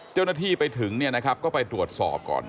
เจ้าหน้าที่ไปถึงก็ไปตรวจสอบก่อน